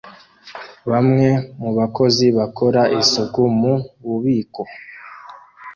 Bamwe mu bakozi bakora isuku mu bubiko